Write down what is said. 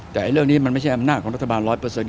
แต่เรื่องนี้มันไม่ใช่อำนาจรัฐบาลร้อยเปอร์เซ็นต์